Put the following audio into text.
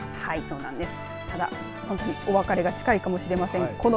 ただお別れが近いかもしれません。